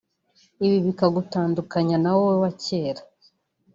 ibi bikagutandukanya na wowe wa kera